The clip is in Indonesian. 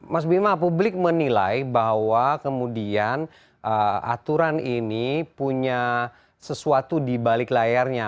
mas bima publik menilai bahwa kemudian aturan ini punya sesuatu di balik layarnya